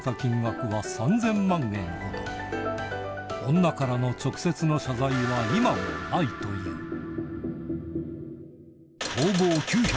女からの直接の謝罪は今もないといういや。